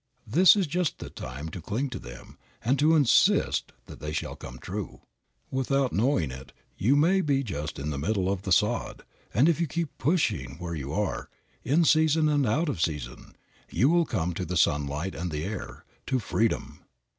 This is just the time to cling to them, and to insist that they shall come true. Without knowing it you may be just in the middle of the sod, and if you keep pushing where you are, in season and out of season, you will come to the sunlight and the air, to freedom.